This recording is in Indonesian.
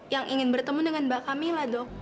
yang ingin bertemu dengan mbak kamila dok